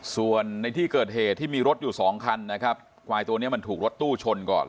ส่วนในที่เกิดเหตุที่มีรถอยู่สองคันนะครับควายตัวนี้มันถูกรถตู้ชนก่อน